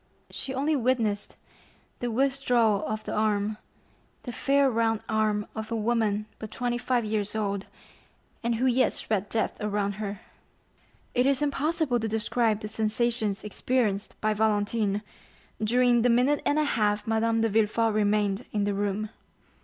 She only witnessed the withdrawal of the arm—the fair round arm of a woman but twenty five years old, and who yet spread death around her. 50077m It is impossible to describe the sensations experienced by Valentine during the minute and a half Madame de Villefort remained in the room.